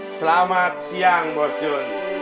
selamat siang bos jun